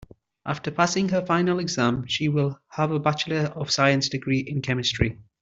After passing her final exam she will have a bachelor of science degree in chemistry.